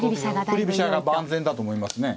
振り飛車が万全だと思いますね。